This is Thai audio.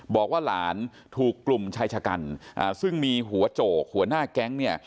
บอกว่าหลานถูกกลุ่มชายชะกันซึ่งมีหัวโจกหัวหน้าแก๊งเนี่ย